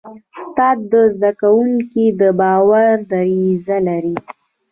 استاد د زده کوونکي د باور دریځ لري.